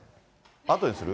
あとにする？